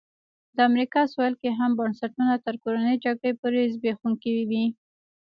د امریکا سوېل کې هم بنسټونه تر کورنۍ جګړې پورې زبېښونکي وو.